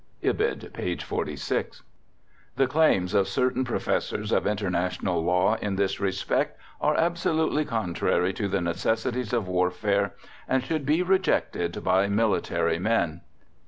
(Ibid page 46) The claims of certain professors of International Law in this respect are absolutely contrary to the necessities of warfare, "and should be rejected by military men."